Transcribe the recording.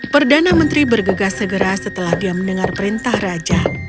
perdana menteri bergegas segera setelah dia mendengar perintah raja